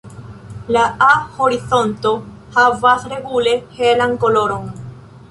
La A-horizonto havas regule helan koloron.